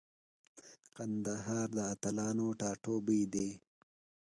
کندهار د اتلانو ټاټوبی دی.